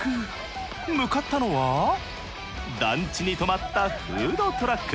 向かったのは団地に止まったフードトラック。